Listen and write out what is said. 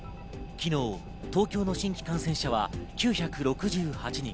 昨日、東京の新規感染者は９６８人。